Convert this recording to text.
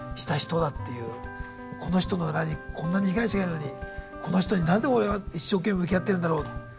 この人の裏にこんなに被害者がいるのにこの人になぜ俺は一生懸命向き合ってるんだろう。